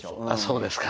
そうですか？